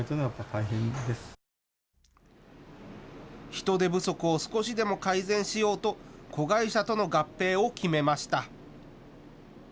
人手不足を少しでも改善しようと子会社との合併を決めました。